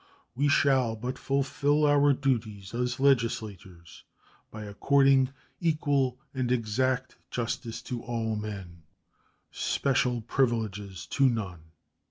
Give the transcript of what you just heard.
We shall but fulfill our duties as legislators by according "equal and exact justice to all men," special privileges to none.